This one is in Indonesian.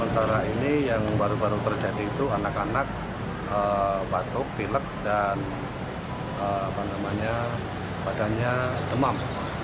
cara ini yang baru baru terjadi itu anak anak batuk pilek dan badannya demam